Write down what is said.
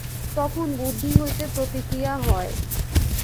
তখন বুদ্ধি হইতে প্রতিক্রিয়া হয়।